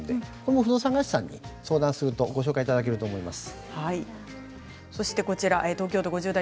不動産会社さんにご相談するとご紹介いただけると思います。